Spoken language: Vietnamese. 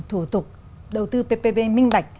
thủ tục đầu tư ppp minh bạch